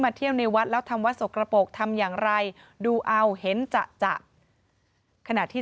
เที่ยวในวัดแล้วทำวัดสกระปกทำอย่างไรดูเอาเห็นจะขณะที่